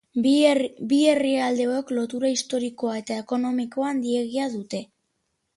Bi herrialdeok, lotura historiko eta ekonomiko handiegia dute.